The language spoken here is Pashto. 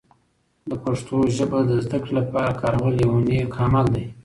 د پښتو ژبه د زده کړې لپاره کارول یوه نیک عمل دی.